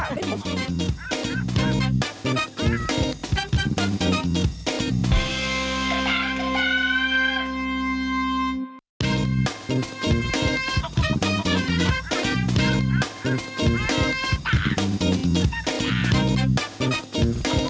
โปรดติดตามตอนต่อไป